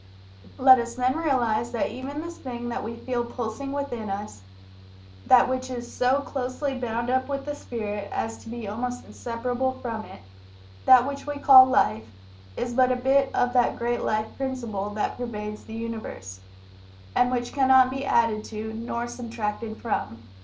Let us then realize that even this thing that we feel pulsing within us that which is so closely bound up with the Spirit as to be almost inseparable from it that which we call Life is but a bit of that Great Life Principle that pervades the Universe, and which cannot be added to, nor subtracted from.